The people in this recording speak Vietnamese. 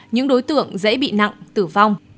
những đối tượng dễ bị nặng tử vong